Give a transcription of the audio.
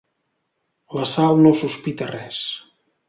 La Sal no sospita res.